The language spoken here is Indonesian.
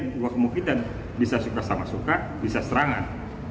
sebuah kemungkinan bisa suka sama suka bisa serangan